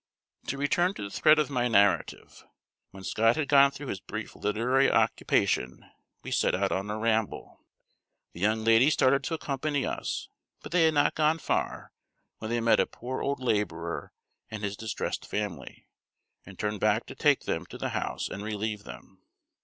To return to the thread of my narrative. When Scott had got through his brief literary occupation, we set out on a ramble. The young ladies started to accompany us, but they had not gone far, when they met a poor old laborer and his distressed family, and turned back to take them to the house, and relieve them.